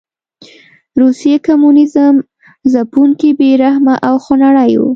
روسي کمونېزم ځپونکی، بې رحمه او خونړی و.